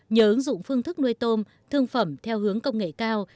nhờ ứng dụng phương thức nuôi tôm thương phẩm theo hướng công nghệ cao